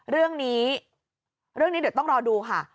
เรื่องนี้เรื่องนี้เดี๋ยวต้องรอดูค่ะ